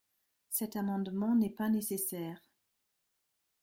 Cet amendement n’est pas nécessaire.